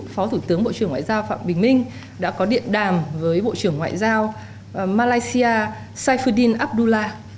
phó thủ tướng bộ trưởng ngoại giao phạm bình minh đã có điện đàm với bộ trưởng ngoại giao malaysia saifudin abdullah